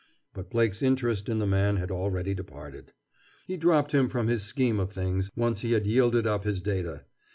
But Blake's interest in the man had already departed. He dropped him from his scheme of things, once he had yielded up his data.